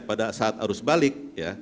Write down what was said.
pada saat harus balik